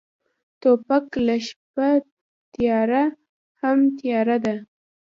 توپک له شپه تیاره هم تیاره دی.